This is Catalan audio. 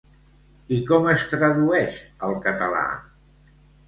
I com es tradueix al català?